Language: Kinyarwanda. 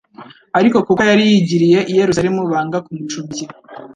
ariko kuko yari yigiriye i Yerusalemu, banga kumucumbikira.